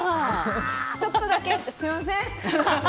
ちょっとだけ、寄ってすみません。